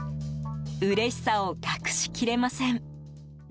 うれしさを隠しきれません。